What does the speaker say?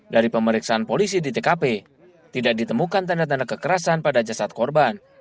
dari pemeriksaan polisi di tkp tidak ditemukan tanda tanda kekerasan pada jasad korban